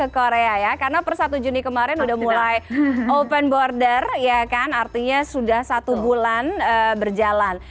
karena per satu juni kemarin sudah mulai open border artinya sudah satu bulan berjalan